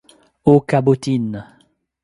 O cabotines !